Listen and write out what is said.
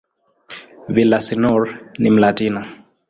Villaseñor ni "Mlatina".